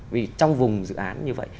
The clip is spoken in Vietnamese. vì trong vùng dự án như vậy